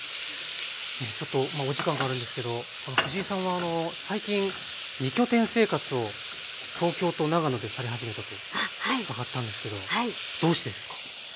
ちょっとお時間があるんですけど藤井さんは最近２拠点生活を東京と長野でされ始めたと伺ったんですけどどうしてですか？